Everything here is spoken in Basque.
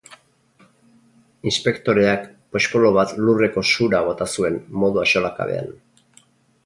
Inspektoreak poxpolo bat lurreko sura bota zuen, modu axolakabean.